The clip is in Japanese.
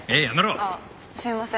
ああすいません。